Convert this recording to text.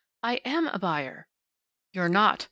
"I am a buyer." "You're not.